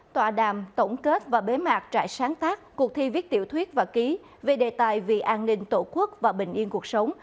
tòa đàm tổng kết và bế mạc trại sáng tác cuộc thi viết tiểu thuyết và ký về đề tài vì an ninh tổ quốc và bình yên cuộc sống